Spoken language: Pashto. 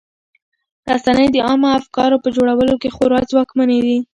رسنۍ د عامه افکارو په جوړولو کې خورا ځواکمنې دي.